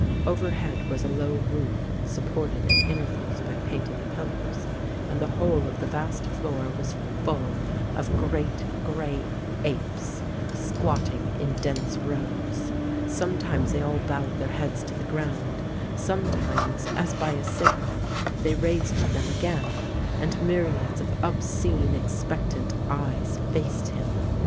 Overhead was a low roof supported at intervals by painted pillars, and the whole of the vast floor was full of great grey apes, squatting in dense rows. Some times they all bowed their heads to the ground, some times, as by a signal, they raised them again, and myriads of obscene expectant eyes faced him.